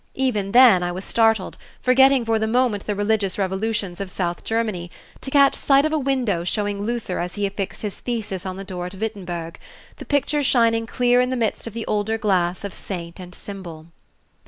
Even then I was startled, forgetting for the moment the religious revolutions of south Germany, to catch sight of a window showing Luther as he affixed his thesis on the door at Wittenberg, the picture shining clear in the midst of the older glass of saint and symbol.